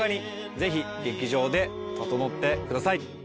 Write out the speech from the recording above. ぜひ劇場でととのってください。